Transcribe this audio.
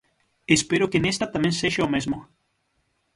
Espero que nesta tamén sexa o mesmo.